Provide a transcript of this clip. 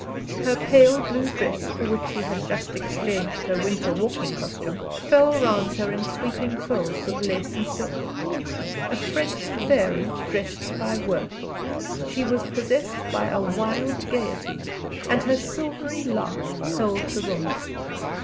Her pale blue dress, for which she had just exchanged her winter walking costume, fell round her in sweeping folds of lace and silk a French fairy dressed by Wörth, she was possessed by a wild gayety, and her silvery laugh held the room.